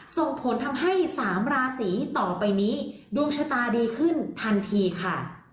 ส่งผลทำให้๓ราศีต่อไปนี้ดวงชะตาดีขึ้นทันทีค่ะ